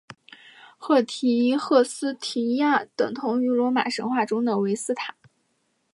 赫斯提亚等同于罗马神话中的维斯塔。